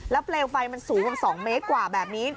แล้วเปลวไฟมันสูงสองเมกกว่าแบบนี้